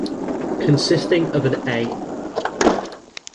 Consisting of an "a".